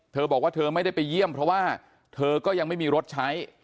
เธอบอกว่าเธอไม่ได้ไปเยี่ยมเพราะว่าเธอก็ยังไม่มีรถใช้